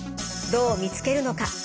どう見つけるのか。